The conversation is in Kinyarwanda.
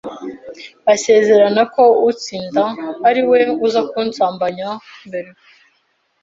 basezerana ko utsinda ari we uza kunsambanya mbere.